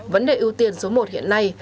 vấn đề ưu tiên số một hiện nay